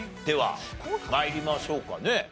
では参りましょうかね。